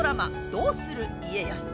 「どうする家康」。